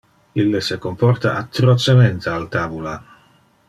Ille se comporta atrocemente al tabula.